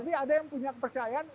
nanti ada yang punya kepercayaan